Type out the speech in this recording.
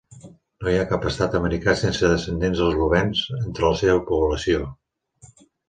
No hi ha cap estat americà sense descendents eslovens entre la seva població.